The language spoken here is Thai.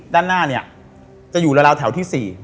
ด้านหน้าเนี่ยจะอยู่ราวแถวที่๔